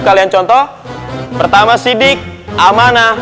kalian contoh pertama sidik amanah